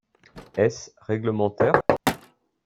Est-ce réglementaire?